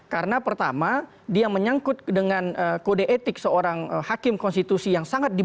karena pertama dia menyangkut dengan kode etik seorang hakim konstitusi yang sangat mudah